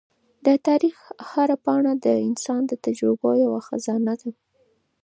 د تاریخ هره پاڼه د انسان د تجربو یوه خزانه ده.